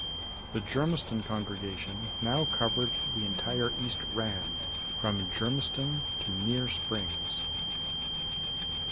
The Germiston congregation now covered the entire East Rand from Germiston to near Springs.